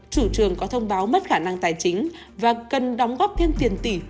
chủ trường có thông báo mất khả năng tài chính và cần đóng góp thêm tiền tỷ